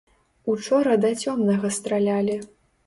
Учора да цёмнага стралялі.